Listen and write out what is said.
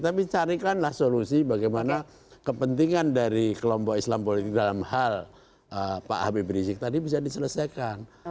tapi carikanlah solusi bagaimana kepentingan dari kelompok islam politik dalam hal pak habib rizik tadi bisa diselesaikan